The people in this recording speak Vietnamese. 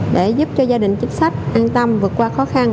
để giúp cho gia đình chính sách an tâm vượt qua khó khăn